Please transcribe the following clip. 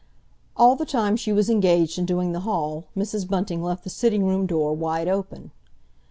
All the time she was engaged in doing the hall, Mrs. Bunting left the sitting room door wide open.